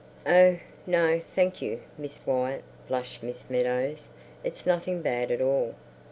"Oh, no, thank you, Miss Wyatt," blushed Miss Meadows. "It's nothing bad at all.